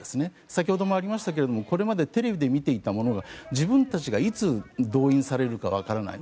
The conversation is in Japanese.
先ほどもありましたけどこれまでテレビで見ていたものが自分たちがいつ動員されるかわからない。